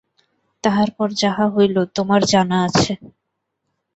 তাহার পর যাহা হইল তোমার জানা আছে।